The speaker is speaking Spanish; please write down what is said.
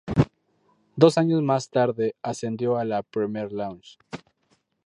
Dos años más tarde ascendió a la Premier League.